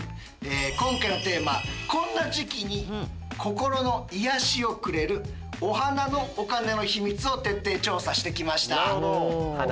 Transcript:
今回のテーマこんな時期に心の癒やしをくれる「お花のお金のヒミツ」を徹底調査してきました。